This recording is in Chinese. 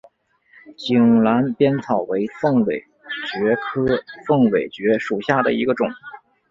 井栏边草为凤尾蕨科凤尾蕨属下的一个种。